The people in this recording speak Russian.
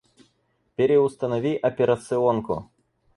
Переустанови операционку.